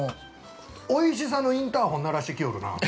おいしさのインターホン鳴らしてきよるな。